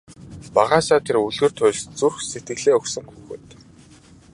Багаасаа тэр үлгэр туульст зүрх сэтгэлээ өгсөн хүүхэд.